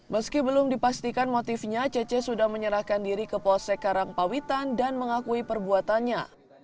meski belum dipastikan motifnya cece sudah menyerahkan diri ke posek karangpawitan dan mengakui perbuatannya